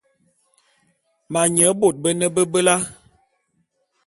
Ma nye bot bene bebela.